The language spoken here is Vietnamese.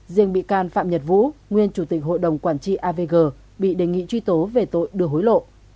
riêng bị can phạm nhật vũ nguyên chủ tịch hội đồng quản trị avg bị đề nghị truy tố về tội đưa hối lộ